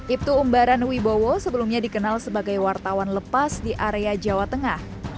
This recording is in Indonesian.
ibtu umbaran wibowo sebelumnya dikenal sebagai wartawan lepas di area jawa tengah